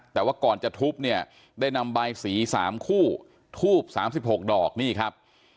แต่ว่าก่อนจะทุบเนี่ยได้นำใบสี๓คู่ทูบ๓๖ดอกนี่ครับ